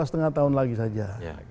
dua lima tahun lagi saja